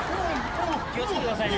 気を付けてくださいね。